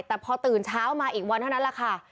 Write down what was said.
แต่พอตื่นเช้ามาอีกวันเท่านั้นแหละค่ะ